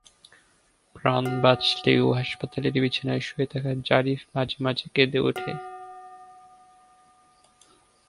প্রাণ বাঁচলেও হাসপাতালের বিছানায় শুয়ে থাকা জারিফ মাঝে মাঝে কেঁদে ওঠে।